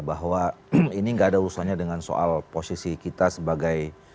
bahwa ini nggak ada urusannya dengan soal posisi kita sebagai